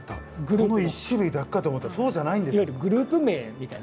この１種類だけかと思ったらそうじゃないんですね。